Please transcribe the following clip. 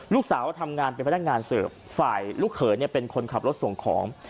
ลูกสาวน่ะทำงานเป็นพยายามงานเสิร์ฟฝ่ายลูกเขาเนี่ยเป็นคนขับรถส่งของ